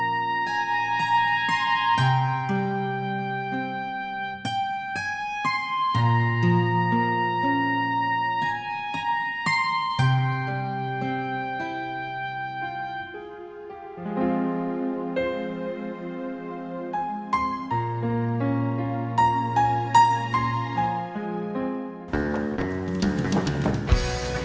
kamu harus berkeras